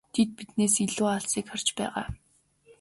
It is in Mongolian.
Тэд биднээс илүү алсыг харж байгаа.